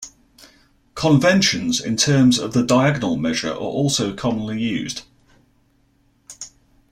Conventions in terms of the diagonal measure are also commonly used.